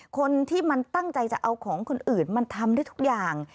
คนที่มันตั้งใจจะเอาของคนอื่นมันทำได้ทุกอย่าง